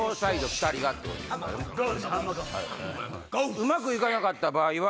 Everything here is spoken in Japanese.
うまく行かなかった場合は。